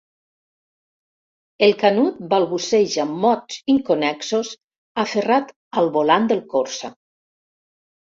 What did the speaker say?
El Canut balbuceja mots inconnexos aferrat al volant del Corsa.